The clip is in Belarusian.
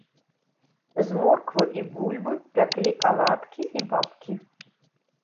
З морквы і бульбы пяклі аладкі і бабкі.